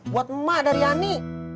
buat mak dari ani